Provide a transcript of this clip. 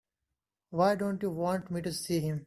Why don't you want me to see him?